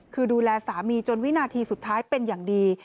คือดูแลสามีจนวินาทีสุดท้ายเป็นอย่างดี